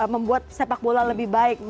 membuat sepak bola lebih baik